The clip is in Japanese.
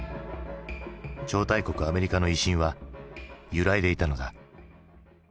超大国アメリカの威信は揺らいでいたのだ。